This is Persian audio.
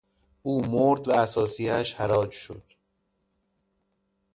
او مرد و اثاثیهاش حراج شد.